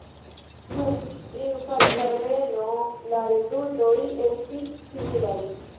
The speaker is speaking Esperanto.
Dum infanĝardeno la rezultoj estis similaj.